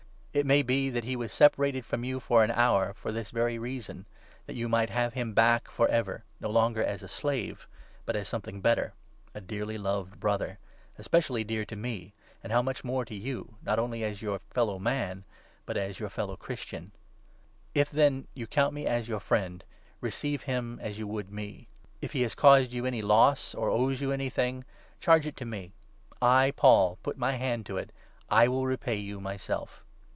It may 15 be that he was separated from you for an hour, for this very reason, that you might have him back for ever, no longer 16 as a slave, but as something better — a dearly loved Brother, especially dear to me, and how much more so to you, not only as your fellow man, but as your fellow Christian 1 If, then, you 17 count me your friend, receive him as you would me. If he 18 has caused you any loss, or owes you anything, charge it to me. I, Paul, put my own hand to it — I will repay you my 19 self.